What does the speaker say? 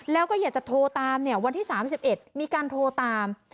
แล้วก็อยากจะโทรตามวันที่๓๑มีการโทรตาม